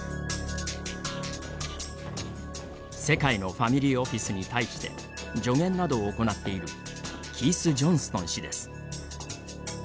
世界のファミリーオフィスに対して助言などを行っているキース・ジョンストン氏です。